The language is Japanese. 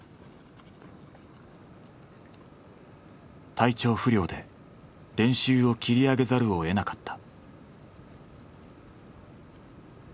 体調不良で練習を切り上げざるをえなかった。